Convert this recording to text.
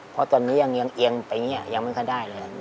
เพราะตอนนี้ยังเอียงไปอย่างนี้ยังไม่ค่อยได้เลย